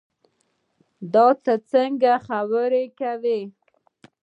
دا تۀ څنګه خبرې کوې